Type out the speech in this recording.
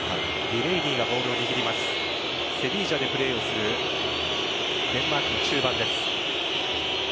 ディレイニーセヴィージャでプレーをするデンマークの中盤です。